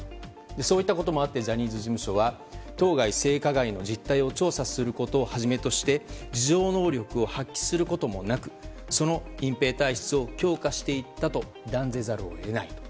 そういったこともあってジャニーズ事務所は当該性加害の実態を調査することをはじめとして自浄能力を発揮することもなくその隠蔽体質を強化していったと断じざるを得ない。